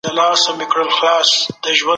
په دې پړاو کي ډېر متحولین شتون لري.